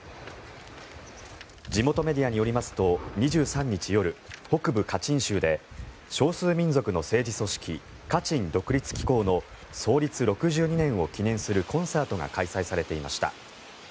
地元メディアによりますと２３日夜、北部カチン州で少数民族の政治組織カチン独立機構の創立６２年を記念するコンサートが開催されていました。